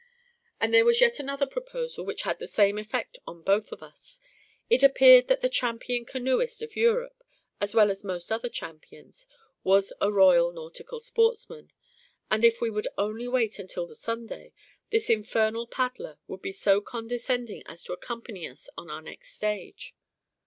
And there was yet another proposal which had the same effect on both of us. It appeared that the champion canoeist of Europe (as well as most other champions) was a Royal Nautical Sportsman. And if we would only wait until the Sunday, this infernal paddler would be so condescending as to accompany us on our next stage.